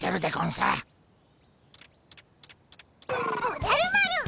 おじゃる丸！